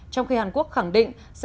trong khi hàn quốc khẳng định sẽ